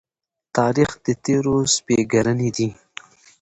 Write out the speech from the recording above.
تاریخ د تېرو سپږېرنی دی.